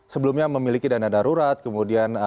sebelumnya memiliki dana darurat kemudian